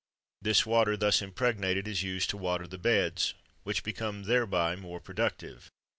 This water, thus impregnated, is used to water the beds, which become thereby more productive.